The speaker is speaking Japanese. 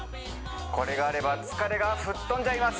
これがあれば疲れが吹っ飛んじゃいます